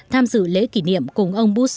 tham dự lễ kỷ niệm cùng ông bush